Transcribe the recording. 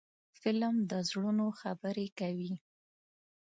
فلم د زړونو خبرې کوي